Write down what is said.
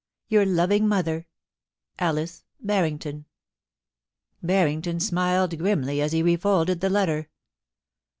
' Your loving mother, ^ Alice Barrington.' Barrington smiled grimly as he refolded the letter.